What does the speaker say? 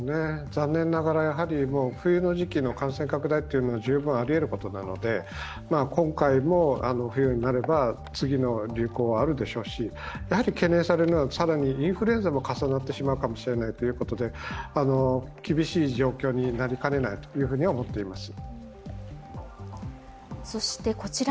残念ながら、冬の時期の感染拡大は十分ありえることなので今回も冬になれば次の流行はあるでしょうし、懸念されるのは、更にインフルエンザも重なってしまうかもしれないということで厳しい状況になりかねないと思っています。